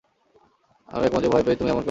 আমিও একমত যে ভয় পেয়েই তুমি এমন করেছ।